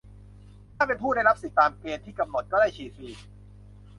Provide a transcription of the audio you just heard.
ถ้าเป็นผู้ได้รับสิทธิ์ตามเกณฑ์ที่กำหนดก็ได้ฉีดฟรี